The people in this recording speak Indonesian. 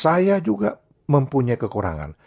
saya juga mempunyai kekurangan